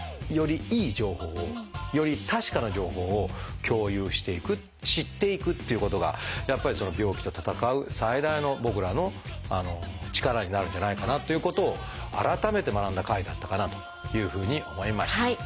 よりいい情報をより確かな情報を共有していく知っていくっていうことがやっぱりその病気と闘う最大の僕らの力になるんじゃないかなということを改めて学んだ回だったかなというふうに思いました。